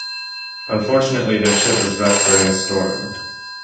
Unfortunately, their ship is wrecked during a storm.